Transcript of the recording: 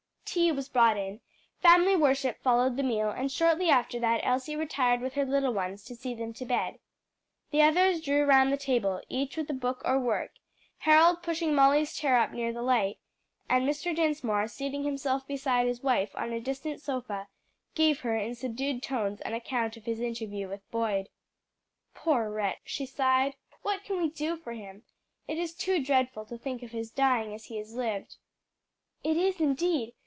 Tea was brought in, family worship followed the meal, and shortly after that Elsie retired with her little ones to see them to bed; the others drew round the table, each with book or work, Harold pushing Molly's chair up near the light; and Mr. Dinsmore, seating himself beside his wife, on a distant sofa, gave her in subdued tones an account of his interview with Boyd. "Poor wretch!" she sighed, "what can we do for him? It is too dreadful to think of his dying as he has lived." "It is, indeed!